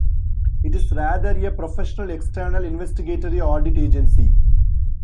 It is rather a professional external investigatory audit agency.